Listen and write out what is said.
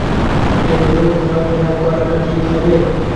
এভাবে ঘোরাফেরা করাটা কি ঠিক হবে?